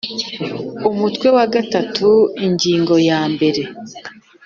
Umutwe wa gatatu ingingo ya mbere